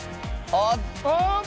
あっ！